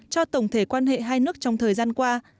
cho tổng thể quan hệ hai nước trong thời gian qua